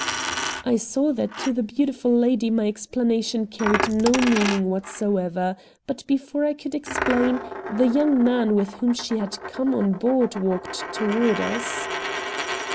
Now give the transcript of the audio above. I saw that to the beautiful lady my explanation carried no meaning whatsoever, but before I could explain, the young man with whom she had come on board walked toward us.